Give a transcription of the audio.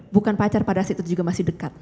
bukan pacar pada saat itu juga masih dekat